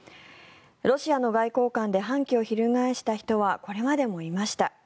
ロシアの外交官で反旗を翻した人はこれまでもいました。